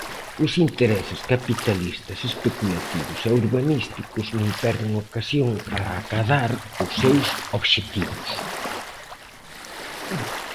Os intereses capitalistas, especulativos e urbanísticos non perden ocasión para acadar os seus obxectivos.